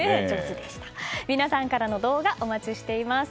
皆さんからの動画お待ちしています。